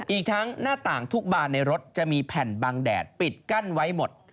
อีกทั้งหน้าต่างทุกบานในรถจะมีแผ่นบางแดดปิดกั้นไว้หมด